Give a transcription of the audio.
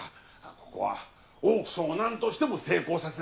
ここはオークションを何としても成功させないと。